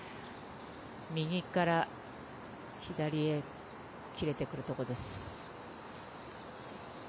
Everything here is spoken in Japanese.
右から左へ切れてくるところです。